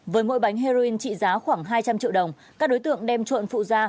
với mỗi bánh heroin trị giá khoảng hai trăm linh triệu đồng các đối tượng đem trộn phụ ra